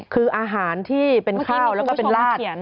คืออาหารที่เป็นข้าวแล้วก็เป็นลาด